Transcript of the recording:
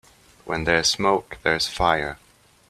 Where there's smoke there's fire.